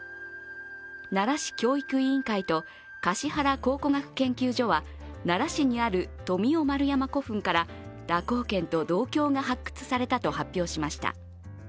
奈良市教育委員会と橿原考古学研究所は奈良市にある富雄丸山古墳から蛇行剣と銅鏡が発掘されたと発表しました。